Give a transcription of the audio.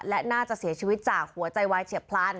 และน่าจะเสียชีวิตจากหัวใจวายเฉียบพลัน